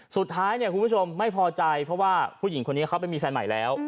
สุดท้ายเนี่ยคุณผู้ชมไม่พอใจเพราะว่าผู้หญิงคนนี้เขาไปมีแฟนใหม่แล้ว